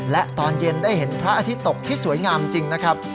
และตอนเย็นได้เห็นพระอาทิตย์ตกที่สวยงามจริงนะครับ